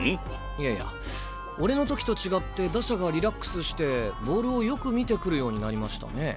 いやいや俺の時と違って打者がリラックスしてボールをよく見てくるようになりましたね。